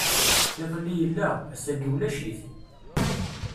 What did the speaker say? Iḍelli yella, ass-agi ulac-it!